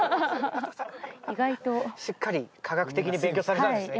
意外としっかり科学的に勉強されたんですね